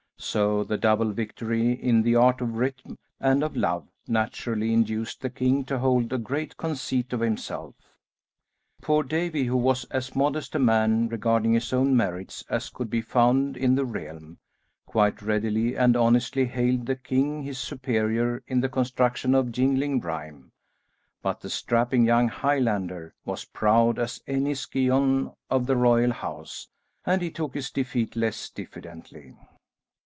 So the double victory in the art of rhythm and of love naturally induced the king to hold a great conceit of himself. Poor Davie, who was as modest a man regarding his own merits as could be found in the realm, quite readily and honestly hailed the king his superior in the construction of jingling rhyme, but the strapping young Highlander was proud as any scion of the royal house, and he took his defeat less diffidently.